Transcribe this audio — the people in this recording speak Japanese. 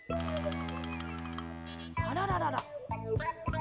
あらららら。